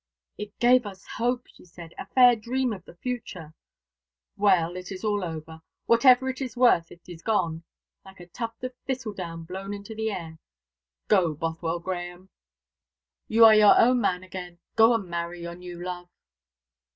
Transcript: "It gave us hope," she said; "a fair dream of the future. Well, it is all over. Whatever it is worth it is gone like a tuft of thistledown blown into the air. Go, Bothwell Grahame, you are your own man again; go and marry your new love."